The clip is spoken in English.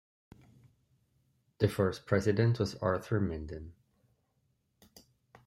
The first President was Arthur Minden.